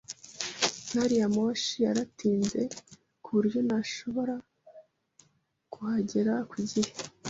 Gari ya moshi yaratinze, ku buryo ntashobora kuhagera ku gihe.